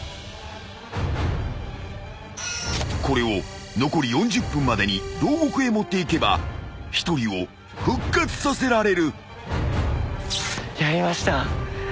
［これを残り４０分までに牢獄へ持っていけば１人を復活させられる］